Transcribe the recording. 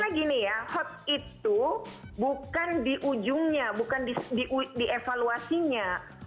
karena gini ya hots itu bukan di ujungnya bukan dievaluasinya